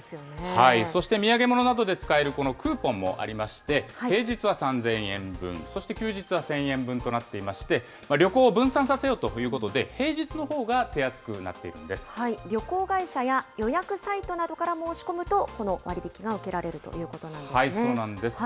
そして土産物などで使えるクーポンもありまして、平日は３０００円分、そして休日は１０００円分となっていまして、旅行を分散させようということで、平日の旅行会社や予約サイトなどから申し込むと、この割引が受けられるということなんですね。